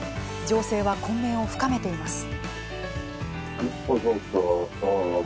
情勢は混迷を深めています。